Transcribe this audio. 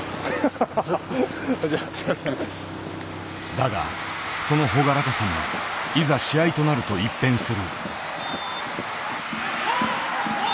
だがその朗らかさもいざ試合となると一変する。